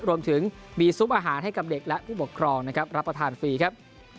รวมถึงมีซุปอาหารให้กับเด็กและผู้ปกครองนะครับรับประทานฟรีครับ